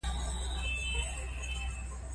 وادي د افغانانو د اړتیاوو د پوره کولو وسیله ده.